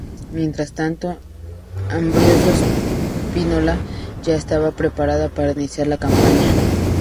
Mientras tanto, Ambrosio Spínola ya estaba preparado para iniciar la campaña.